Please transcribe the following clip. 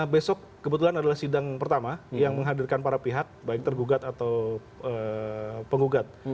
besok kebetulan adalah sidang pertama yang menghadirkan para pihak baik tergugat atau penggugat